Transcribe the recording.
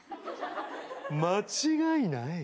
間違いない。